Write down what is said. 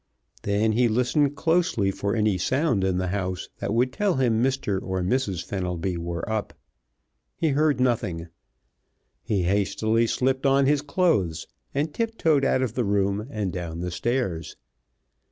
Then he listened closely for any sound in the house that would tell him Mr. or Mrs. Fenelby were up. He heard nothing. He hastily slipped on his clothes, and tip toed out of the room and down the stairs.